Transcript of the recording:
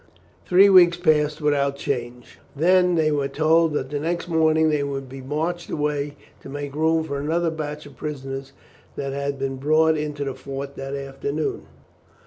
Three weeks passed without change. Then they were told that next morning they would be marched away to make room for another batch of prisoners that had been brought into the fort that afternoon.